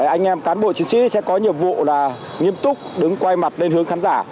anh em cán bộ chiến sĩ sẽ có nhiệm vụ là nghiêm túc đứng quay mặt lên hướng khán giả